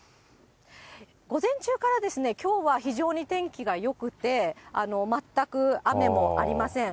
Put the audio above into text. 午前中からきょうは非常に天気がよくて、全く雨もありません。